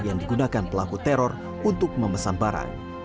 yang digunakan pelaku teror untuk memesan barang